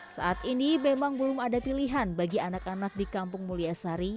saat ini memang belum ada pilihan bagi anak anak di kampung mulyasari